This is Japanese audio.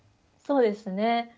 そうですね。